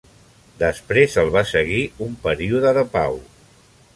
Després el va seguir un període de pau.